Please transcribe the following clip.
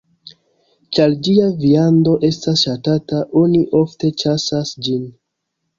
Ĉar ĝia viando estas ŝatata, oni ofte ĉasas ĝin.